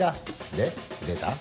で出た？